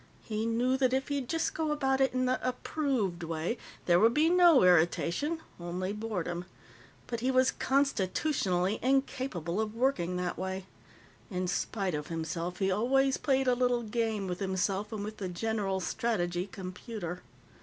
He knew that if he'd just go about it in the approved way, there would be no irritation only boredom. But he was constitutionally incapable of working that way. In spite of himself, he always played a little game with himself and with the General Strategy Computer.